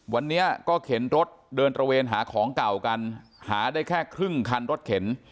วันนี้ก็เข็นรถเดินตระเวนหาของเก่ากันหาได้แค่ครึ่งคันรถเข็น